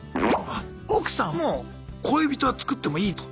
あ奥さんも「恋人は作ってもいい」と。